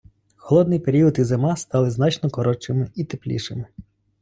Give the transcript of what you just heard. Холодний період і зима стали значно коротшими і теплішими.